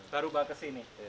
baru baru ke sini